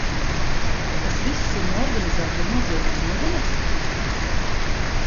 Tas viss ir no organizēto noziegumu nodaļas?